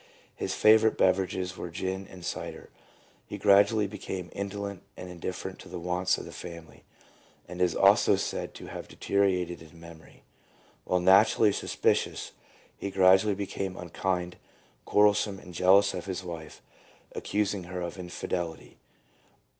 His favourite beverages were gin and cider. He gradually became indolent and indifferent to the wants of the family, and is also said to have deteriorated in memory. While naturally sus picious, he gradually became unkind, quarrelsome, and jealous of his wife, accusing her of infidelity.